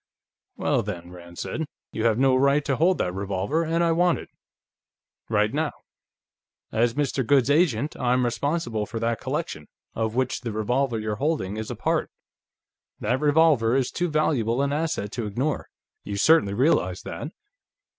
"Well, then," Rand said, "you have no right to hold that revolver, and I want it, right now. As Mr. Goode's agent, I'm responsible for that collection, of which the revolver you're holding is a part. That revolver is too valuable an asset to ignore. You certainly realize that."